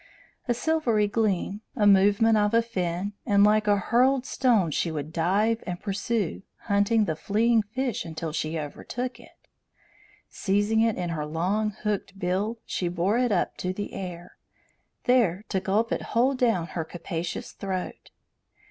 A silvery gleam, a movement of a fin, and like a hurled stone she would dive and pursue, hunting the fleeing fish until she overtook it. Seizing it in her long, hooked bill, she bore it up to the air, there to gulp it whole down her capacious throat.